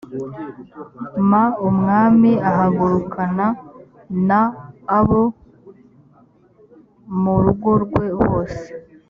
m umwami ahagurukana n abo mu rugo rwe bose